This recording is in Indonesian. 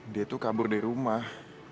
dia itu kabur dari rumah